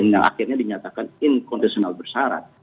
yang akhirnya dinyatakan inkonsional bersarat